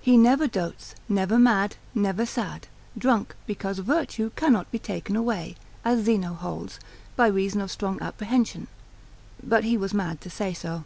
He never dotes, never mad, never sad, drunk, because virtue cannot be taken away, as Zeno holds, by reason of strong apprehension, but he was mad to say so.